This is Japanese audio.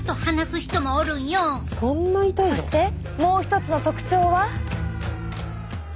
そしてもう一つの特徴は。